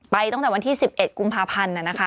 ตั้งแต่วันที่๑๑กุมภาพันธ์